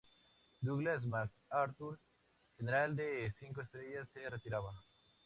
Douglas MacArthur, general de cinco estrellas, se retiraba.